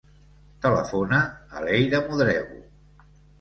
Telefona a l'Eira Modrego.